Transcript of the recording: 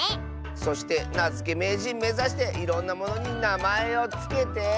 そしてなづけめいじんめざしていろんなものになまえをつけて。